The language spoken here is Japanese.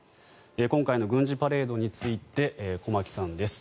今回の軍事パレードについて駒木さんです。